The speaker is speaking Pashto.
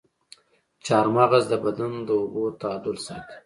چارمغز د بدن د اوبو تعادل ساتي.